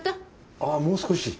あぁもう少し。